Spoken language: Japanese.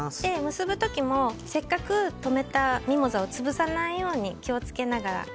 結ぶ時もせっかく留めたミモザを潰さないように気を付けながら。